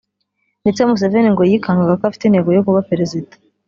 ndetse Museveni ngo yikangaga ko afite intego yo kuba perezida